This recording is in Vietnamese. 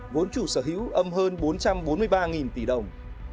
vốn chủ sở hữu âm hơn bốn trăm bốn mươi ba tỷ đồng